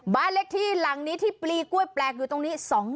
บ้านเลขที่หลังนี้ที่ปลีกล้วยแปลกอยู่ตรงนี้